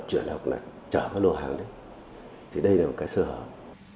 thì đây là một cái sơ hợp